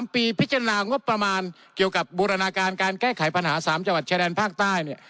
ปีพิจารณางบประมาณเกี่ยวกับบูรณาการการแก้ไขปัญหา๓จังหวัดชายแดนภาคใต้เนี่ย